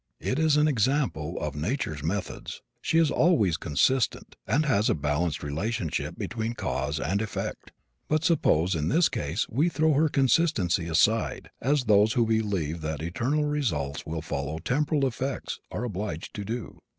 It is an example of nature's methods. She is always consistent, and has a balanced relationship between cause and effect. But suppose in this case we throw her consistency aside as those who believe that eternal results will follow temporal effects are obliged to do.